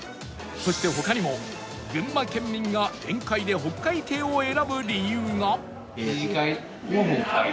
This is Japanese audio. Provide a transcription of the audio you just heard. そして他にも群馬県民が宴会で北海亭を選ぶ理由が